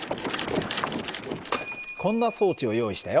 こんな装置を用意したよ。